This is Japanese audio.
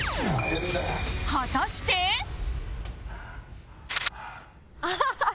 果たしてハハハハ！